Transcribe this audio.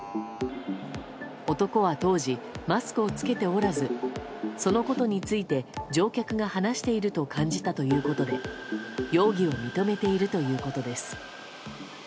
男は当時マスクを着けておらずそのことについて乗客が話していると感じたということで容疑を認めているということです。